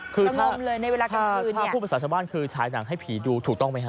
คือถ้าคุณผู้ประสาทชาวบ้านคือฉายหนังให้ผีดูถูกต้องไหมฮะ